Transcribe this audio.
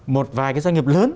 một vài cái doanh nghiệp lớn